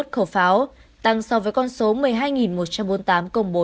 một mươi hai hai trăm hai mươi một khẩu pháo tăng so với con số một mươi hai một trăm bốn mươi tám công bố